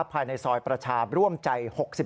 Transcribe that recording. ภายในซอยประชาร่วมใจ๖๑